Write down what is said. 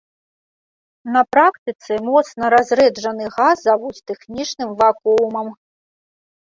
На практыцы моцна разрэджаны газ завуць тэхнічным вакуумам.